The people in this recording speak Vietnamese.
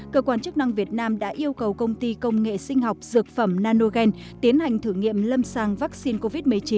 cơ quan chức năng việt nam đã yêu cầu công ty công nghệ sinh học dược phẩm nanogen tiến hành thử nghiệm lâm sàng vaccine covid một mươi chín